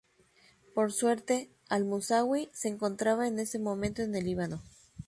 Por suerte, al-Musawi se encontraba en ese momento en el Líbano.